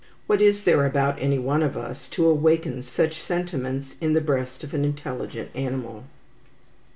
What is there about any one of us to awaken such sentiments in the breast of an intelligent animal?